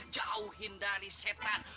jauhin dari setan